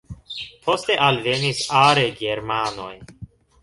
Poste alvenis are germanoj.